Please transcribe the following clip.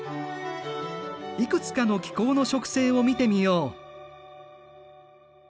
いくつかの気候の植生を見てみよう。